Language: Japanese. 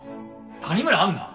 谷村安奈！？